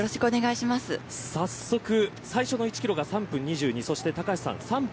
早速、最初の１キロが３分２２３分